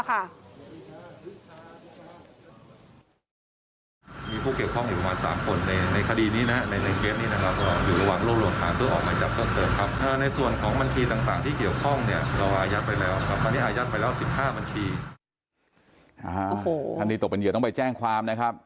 อันนี้ตกเป็นเหยื่อต้องไปแจ้งความนะครับ